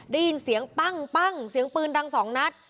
ได้ยินเสียงปั้งเสียงปืนดังสองนัด